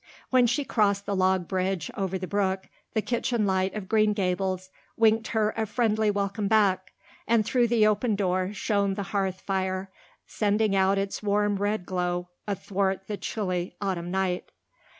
When she crossed the log bridge over the brook the kitchen light of Green Gables winked her a friendly welcome back, and through the open door shone the hearth fire, sending out its warm red glow athwart the chilly autumn night.